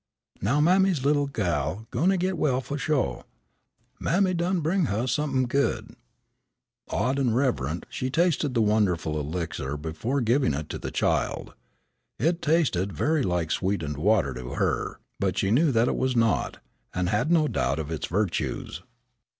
"Now mammy's little gal gwine to git well fu' sho'. Mammy done bring huh somep'n' good." Awed and reverent, she tasted the wonderful elixir before giving it to the child. It tasted very like sweetened water to her, but she knew that it was not, and had no doubt of its virtues.